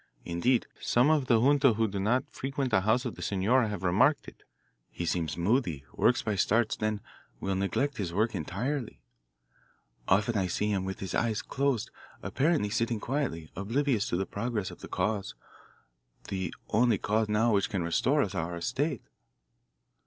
Indeed, some of the junta who do not frequent the house of the senora have remarked it. He seems moody, works by starts, then will neglect his work entirely. Often I see him with his eyes closed, apparently sitting quietly, oblivious to the progress of the cause the only cause now which can restore us our estate.